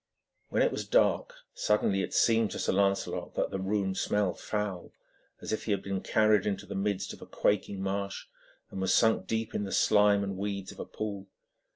When it was dark, suddenly it seemed to Sir Lancelot that the room smelled foul, as if he had been carried into the midst of the quaking marsh, and was sunk deep in the slime and weeds of a pool.